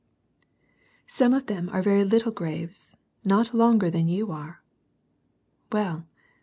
Some of them are very little graves, not longer than you are. Well